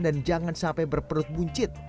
dan jangan sampai berperut buncit